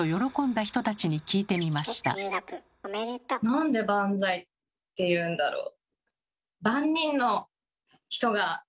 なんで「バンザイ」って言うんだろう？